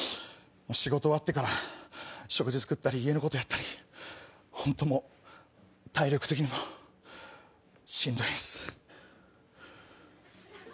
仕事終わってから食事作ったり家のことやったり本当もう体力的にもしんどいんす。